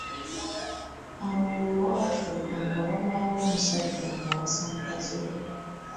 Awo lwatuuka nga wabaawo omusajja ng’awasa mukazi we